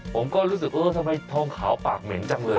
ผมก็รู้สึกเออทำไมทองขาวปากเหม็นจังเลย